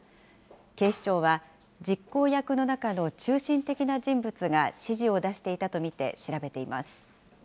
警視庁は、実行役の中の中心的な人物が指示を出していたと見て調べています。